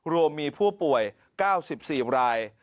รวมมีผู้ป่วย๙๔ราย